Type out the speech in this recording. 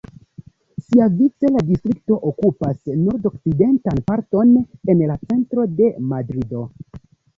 Siavice la distrikto okupas nordokcidentan parton en la centro de Madrido.